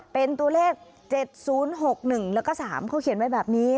เป็นตัวเลข๗๐๖๑แล้วก็๓เขาเขียนไว้แบบนี้